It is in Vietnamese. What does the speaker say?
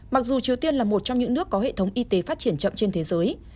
mặc dù triều tiên là một trong những nước có hệ thống y tế phát triển chậm trên thế giới